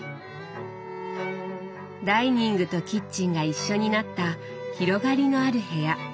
ダイニングとキッチンが一緒になった広がりのある部屋。